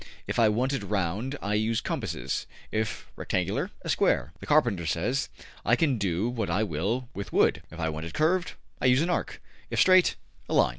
If I want it round, I use compasses; if rectangular, a square.'' The carpenter says: ``I can do what I will with wood. If I want it curved, I use an arc; if straight, a line.''